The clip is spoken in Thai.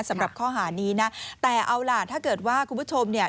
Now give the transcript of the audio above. สำหรับข้อหานี้นะแต่เอาล่ะถ้าเกิดว่าคุณผู้ชมเนี่ย